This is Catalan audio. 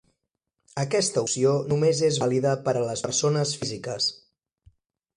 Aquesta opció només és vàlida per a les persones físiques.